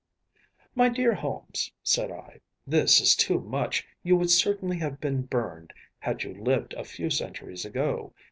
‚ÄĚ “My dear Holmes,‚ÄĚ said I, “this is too much. You would certainly have been burned, had you lived a few centuries ago.